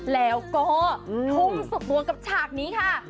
แล้วก็ทุ่มสุดบวงกับฉากนี้ค่ะ